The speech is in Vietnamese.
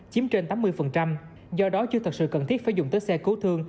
chiếm trên tám mươi do đó chưa thật sự cần thiết phải dùng tới xe cứu thương